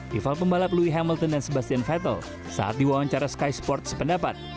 vival pembalap louis hamilton dan sebastian vettel saat di wawancara sky sports sependapat